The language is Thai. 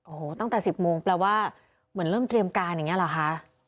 โอ้โหตั้งแต่๑๐โมงแปลว่าเหมือนเริ่มเตรียมการอย่างนี้หรอคะ